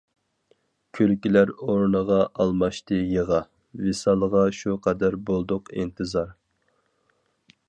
كۈلكىلەر ئورنىغا ئالماشتى يىغا، ۋىسالغا شۇ قەدەر بولدۇق ئىنتىزار.